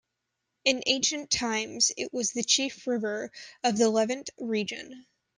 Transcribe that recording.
In ancient times, it was the chief river of the Levant region.